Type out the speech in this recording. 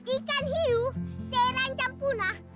ikan hiu ceran campurna